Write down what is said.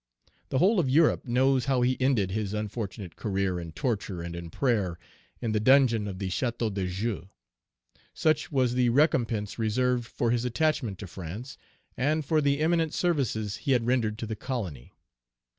The whole of Europe knows how he ended his unfortunate career in torture and in prayer, in the dungeon of the Château de Joux. "Such was the recompense reserved for his attachment to Page 334 France, and for the eminent services he had rendered to the colony.